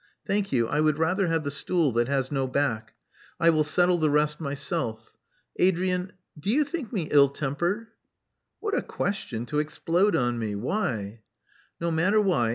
Thank you, I would rather have the stool that has no back : I will settle the rest myself. Adrian: do you think me ill tempered?" "What a question to explode on me! Why?" "No matter why.